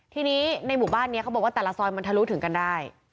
ทีนี้ในหมู่บ้านนี้เขาบอกว่าแต่ละซอยมันทะลุถึงกันได้